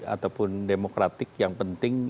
ataupun demokratik yang penting